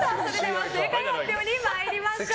正解発表に参りましょう。